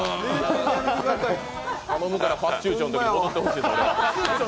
頼むからファッチューチョンに戻ってほしい。